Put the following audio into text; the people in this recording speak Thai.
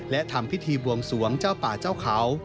และทำพิธีบวงสวงเจ้าป่าเจ้าเขา